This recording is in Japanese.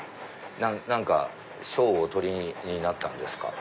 何か賞をお取りになったんですか？